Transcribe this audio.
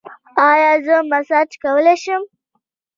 ایا زه مساج کولی شم؟